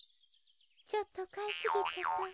ちょっとかいすぎちゃったわ。